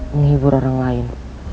menghibur orang lain